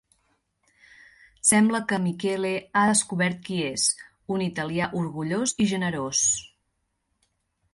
Sembla que Michele ha descobert qui és, un italià orgullós i generós.